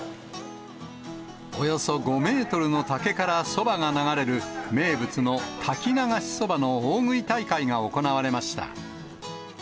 およそ５メートルの竹からそばが流れる、名物の滝流しそばの大食い大会が行われました。